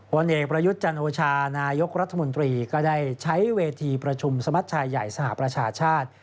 เอกประยุทธ์จันโอชานายกรัฐมนตรีก็ได้ใช้เวทีประชุมสมัชชายใหญ่สหประชาชาติ